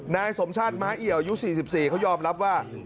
นายสมชาติม้าเอี่ยวอายุ๔๔เขายอมรับว่า